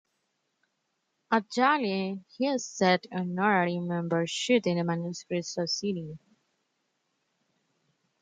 At Yale, he accepted honorary membership in Manuscript Society.